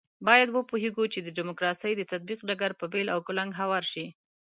باید وپوهېږو چې د ډیموکراسۍ د تطبیق ډګر په بېل او کلنګ هوار شي.